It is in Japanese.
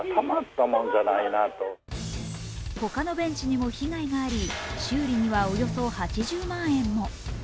他のベンチにも被害があり、修理にはおよそ８０万円も。